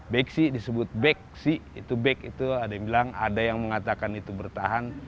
beksi disebut beksi itu bek itu ada yang bilang ada yang mengatakan itu bertahan